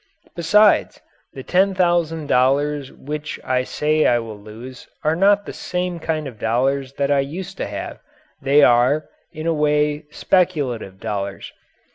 Besides, the ten thousand dollars which I say I will lose are not the same kind of dollars that I used to have. They are, in a way, speculative dollars.